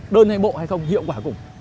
đơn hay bộ hay không hiệu quả cùng